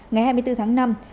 ngày hai mươi bốn tháng năm